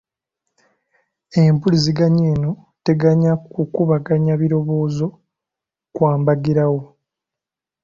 Empuliziganya eno teganya kukubaganya birowoozo kwa mbagirawo.